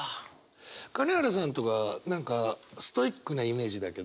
金原さんとか何かストイックなイメージだけど。